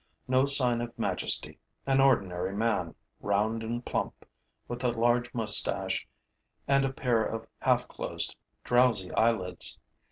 No sign of majesty, an ordinary man, round and plump, with a large moustache and a pair of half closed, drowsy eyelids.